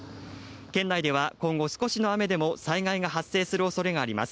県内では今後、少しの雨でも災害が発生するおそれがあります。